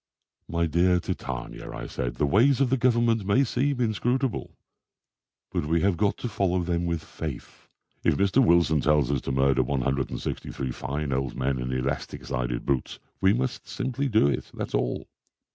"My dear Titania," I said, "the ways of the Government may seem inscrutable, but we have got to follow them with faith. If Mr. Wilson tells us to murder 163 fine old men in elastic sided boots we must simply do it, that's all.